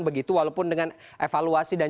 begitu walaupun dengan evaluasi dan